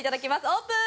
オープン！